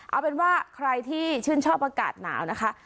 เอาเป็นว่าใครที่ชื่นชอบอากาศหนาวนะคะ